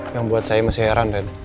yang buat saya masih heran